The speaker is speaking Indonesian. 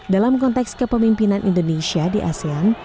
dalam konteks kepemimpinan indonesia di asean